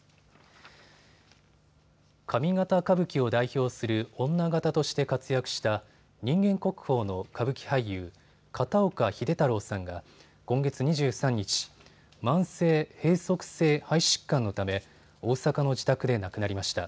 上方歌舞伎を代表する女形として活躍した人間国宝の歌舞伎俳優、片岡秀太郎さんが今月２３日、慢性閉塞性肺疾患のため大阪の自宅で亡くなりました。